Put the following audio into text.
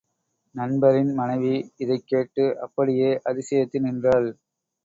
நண்பரின் மனைவி இதைக்கேட்டு அப்படியே அதிசயித்து நின்றாள்.